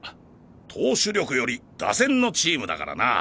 投手力より打線のチームだからな。